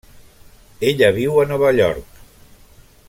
Ella viu a Nova York.